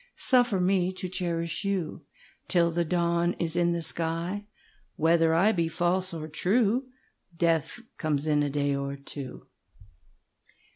Suffer me to cherish youTill the dawn is in the sky. Whether I be false or true, Death comes in a day or two.